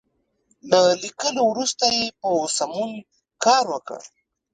له ليکلو وروسته یې په سمون کار وکړئ.